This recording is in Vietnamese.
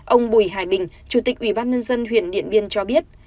ông bùi hải bình chủ tịch ủy ban nhân dân huyện điện biên cho biết